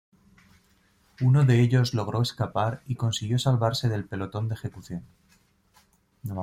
Uno de ellos logró escapar y consiguió salvarse del pelotón de ejecución.